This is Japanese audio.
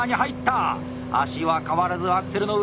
足は変わらずアクセルの上。